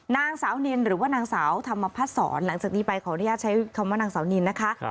นางสาวนินหรือว่านางสาวธรรมพัฒนศรหลังจากนี้ไปขออนุญาตใช้คำว่านางสาวนินนะคะ